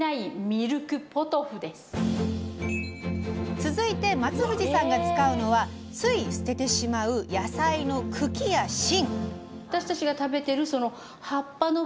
続いて松藤さんが使うのはつい捨ててしまう野菜の茎や芯。